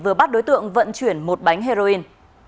vừa bắt đối tượng vận chuyển một bánh heroin